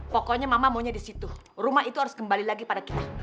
pokoknya mama maunya di situ rumah itu harus kembali lagi pada kita